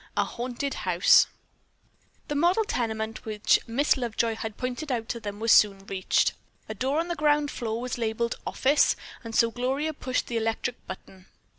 A HAUNTED HOUSE The model tenement which Miss Lovejoy had pointed out to them was soon reached. A door on the ground floor was labeled "Office," and so Gloria pushed the electric button.